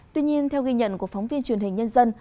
tuy nhiên theo ghi nhận của phóng viên truyền hình nhân dân